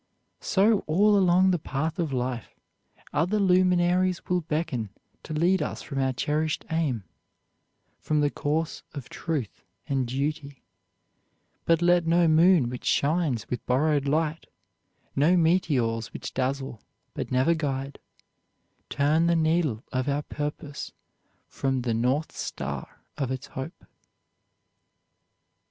So all along the path of life other luminaries will beckon to lead us from our cherished aim from the course of truth and duty; but let no moons which shine with borrowed light, no meteors which dazzle, but never guide, turn the needle of our purpose from the North Star of its hope.